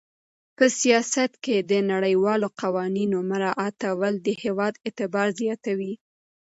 په سیاست کې د نړیوالو قوانینو مراعاتول د هېواد اعتبار زیاتوي.